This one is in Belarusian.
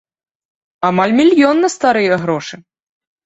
Амаль мільён на старыя грошы!